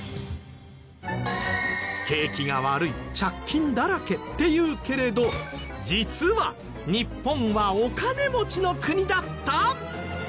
景気が悪い借金だらけっていうけれど実は日本はお金持ちの国だった！？